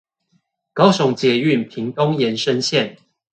高雄捷運屏東延伸線